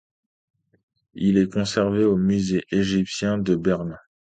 Il est conservé au Musée égyptien de Berlin.